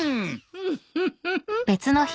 ウフフフ。